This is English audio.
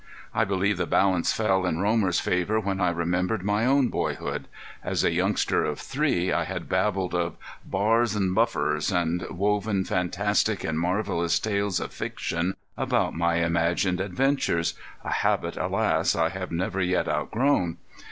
I believe the balance fell in Romer's favor when I remembered my own boyhood. As a youngster of three I had babbled of "bars an' buffers," and woven fantastic and marvelous tales of fiction about my imagined adventures a habit, alas! I have never yet outgrown.